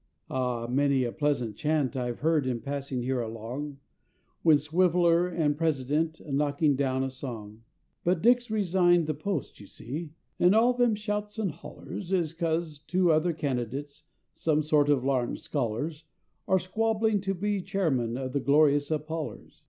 Ah! many a pleasant chant I've heard in passing here along, When Swiveller was President a knocking down a song; But Dick's resign'd the post, you see, and all them shouts and hollers Is 'cause two other candidates, some sort of larned scholars, Are squabbling to be Chairman of the Glorious Apollers!